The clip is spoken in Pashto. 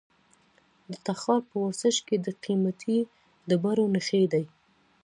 د تخار په ورسج کې د قیمتي ډبرو نښې دي.